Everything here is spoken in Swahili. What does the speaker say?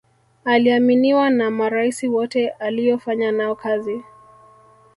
aliaminiwa na maraisi wote aliyofanya nao kazi